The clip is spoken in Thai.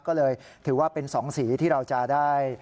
ก็เลยถือว่าเป็น๒สีที่เราจะได้